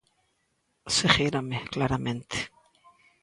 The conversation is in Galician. Seguírame, claramente.